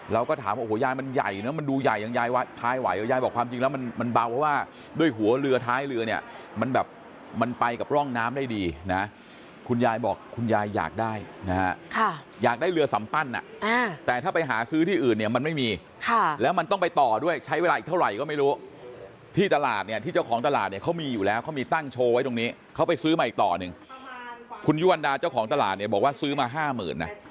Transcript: แล้วก็ถามโอ้โหยายมันใหญ่นะมันดูใหญ่อย่างยายว่าท้ายไหวยายบอกความจริงแล้วมันเบาเพราะว่าด้วยหัวเรือท้ายเรือเนี่ยมันแบบมันไปกับร่องน้ำได้ดีนะฮะคุณยายบอกคุณยายอยากได้นะฮะค่ะอยากได้เรือสัมปั้นอ่ะแต่ถ้าไปหาซื้อที่อื่นเนี่ยมันไม่มีแล้วมันต้องไปต่อด้วยใช้เวลาอีกเท่าไหร่ก็ไม่รู้